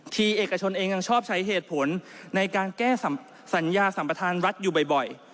เอกชนเองยังชอบใช้เหตุผลในการแก้สัญญาสัมประธานรัฐอยู่บ่อย